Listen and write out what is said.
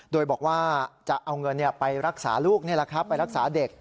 โดยบอกว่าจะเอาเงินไปรักษาลูกไปรักษาเด็ก